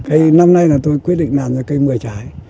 cây năm nay là tôi quyết định làm ra cây một mươi trái